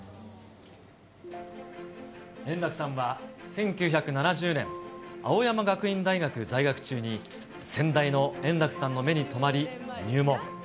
円楽さんは１９７０年、青山学院大学在学中に、先代の圓楽さんの目にとまり、入門。